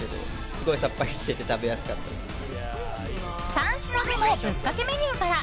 ３品目もぶっかけメニューから！